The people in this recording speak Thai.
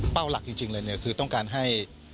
เป้าหลักจริงเลยคือต้องการให้